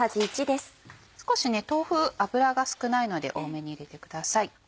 少し豆腐油が少ないので多めに入れてください。